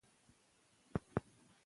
هغه ټولنه چې علمي فکر لري، پرمختګ کوي.